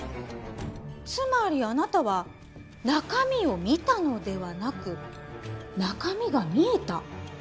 つまりあなたは中身を見たのではなく中身が見えた？